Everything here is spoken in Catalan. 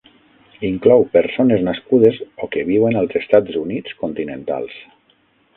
Inclou persones nascudes o que viuen als Estats Units continentals.